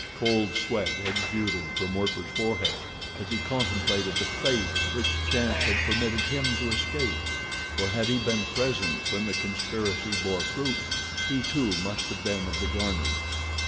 Cold sweat exuded from Werper's forehead as he contemplated the fate which chance had permitted him to escape, for had he been present when the conspiracy bore fruit, he, too, must have been of the garnered.